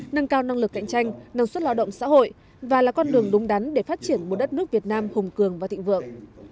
nâng cao năng lực cạnh tranh năng suất lao động xã hội và là con đường đúng đắn để phát triển một đất nước việt nam hùng cường và thịnh vượng